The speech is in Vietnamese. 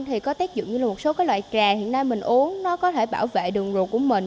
thì có tác dụng như một số cái loại trà hiện nay mình uống nó có thể bảo vệ đường ruột của mình